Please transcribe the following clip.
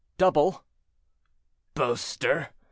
"Double." "Boaster!"